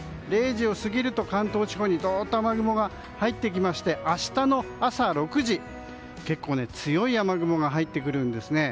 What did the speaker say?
０時を過ぎると関東地方に雲が入ってきて明日の朝６時結構強い雨雲が入ってくるんです。